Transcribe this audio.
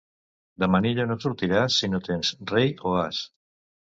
De manilla no sortiràs si no tens rei o as.